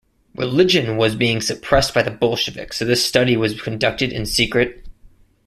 Religion was being suppressed by the Bolsheviks, so this study was conducted in secret.